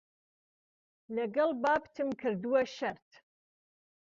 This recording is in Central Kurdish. له گهڵ بابتم کردوه شەرت